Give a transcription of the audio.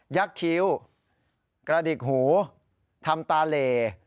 ักษ์คิ้วกระดิกหูทำตาเหล